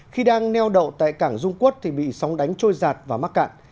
khi đang neo đậu tại cảng dung quốc thì bị sóng đánh trôi giạt và mắc cạn